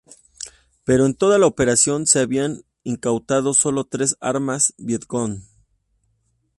Pero en toda la operación se habían incautado sólo tres armas vietcong.